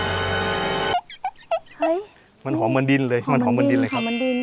เฮ้ยมันหอมเหมือนดินเลยมันหอมเหมือนดินเลยครับหอมเหมือนดิน